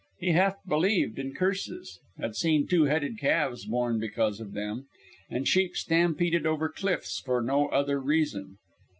He half believed in curses, had seen two headed calves born because of them, and sheep stampeded over cliffs for no other reason.